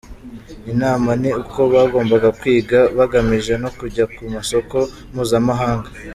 Inama ni uko bagomba kwiga bagamije no kujya ku masoko mpuzamahanga”.